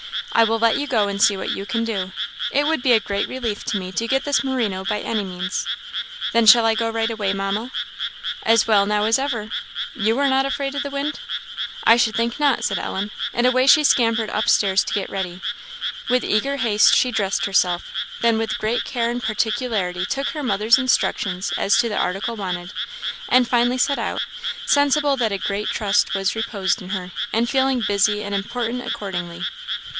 I will let you go and see what you can do. It would be a great relief to me to get this merino by any means." "Then shall I go right away, Mamma?" "As well now as ever. You are not afraid of the wind?" "I should think not," said Ellen; and away she scampered upstairs to get ready. With eager haste she dressed herself; then with great care and particularity took her mother's instructions as to the article wanted; and finally set out, sensible that a great trust was reposed in her, and feeling busy and important accordingly.